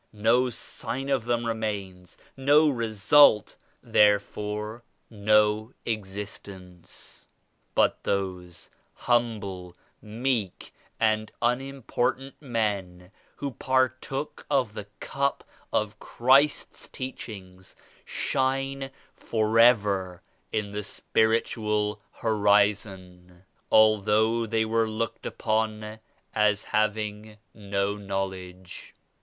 No sign of them remains ; no result, therefore no existence. But those humble, meek and unimportant men who partook of the Cup of Christ's Teachings shine forever in the Spiritual Horizon, although they were looked upon as having no knowledge.